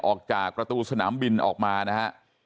ออกจากประตูสนามบินออกมานะฮะ